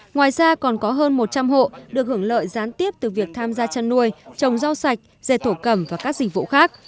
ngoài ra còn có hơn một trăm linh hộ được hưởng lợi gián tiếp từ việc tham gia chăn nuôi trồng rau sạch dệt thổ cẩm và các dịch vụ khác